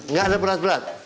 nggak ada berat berat